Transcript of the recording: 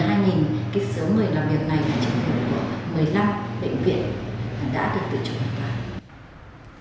tức là gần hai cái số người đặc biệt này là trực thuộc một mươi năm bệnh viện đã được tự chủ hoàn toàn